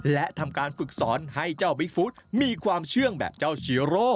และทำการฝึกสอนให้เจ้าบิ๊กฟู้ดมีความเชื่องแบบเจ้าเชื้อโรค